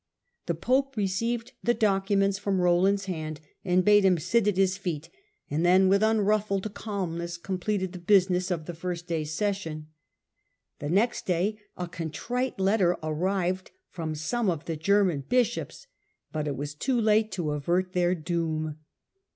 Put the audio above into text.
The pope received the documents from Roland's hand, and bade him sit at his feet ; and then, with unruffled calmness, completed the business of the first day's session. The next day a contrite letter arrived from some of the German bishops, but it was too late to avert their doom.